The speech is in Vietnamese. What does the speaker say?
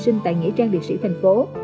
về sinh tại nghĩa trang địa sĩ thành phố